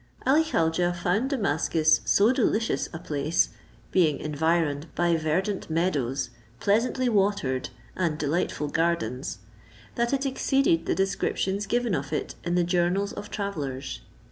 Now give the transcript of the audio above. Ali Khaujeh found Damascus so delicious a place, being environed by verdant meadows, pleasantly watered, and delightful gardens, that it exceeded the descriptions given of it in the journals of travellers.